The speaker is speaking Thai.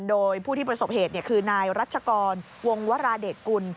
โดยผู้ที่ประสบเหตุคือนายรัชกรวงวราเดชกุล